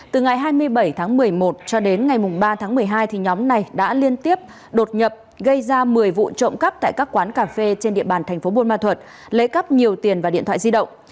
từ ngày hai mươi bảy tháng một mươi một cho đến ngày ba tháng một mươi hai thì nhóm này đã liên tiếp đột nhập gây ra một mươi vụ trộm cắp tại các quán cà phê trên địa bàn thành phố buôn ma thuật lấy cắp nhiều tiền và điện thoại di động